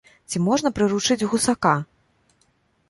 Ці можна прыручыць гусака?